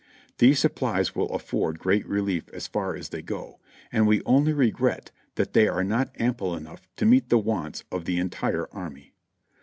These supplies will afford great relief as far as they go, and we only regret that they are not ample enough to meet the wants of the entire army.